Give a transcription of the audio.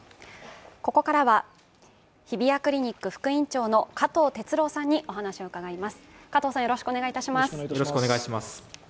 ここからは日比谷クリニック副院長の加藤哲朗さんにお話を伺います。